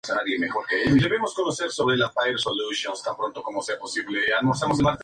La figura es similar a las cariátides que sujetaban los templos.